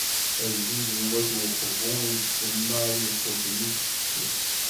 Agdud n Wat Uqbu isemma i lqut-nni seksu.